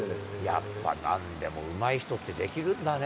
やっぱなんでも、うまい人って、できるんだね。